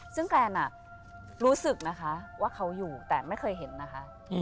ซึ่งแฟนรู้สึกนะคะว่าเขาอยู่แต่ไม่เคยเห็นนะคะ